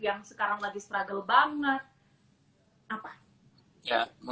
yang sekarang lagi struggle banget